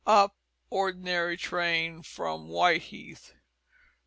Up Ordinary Train from Whiteheath.